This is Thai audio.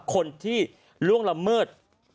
คนที่ล่วงละเมิด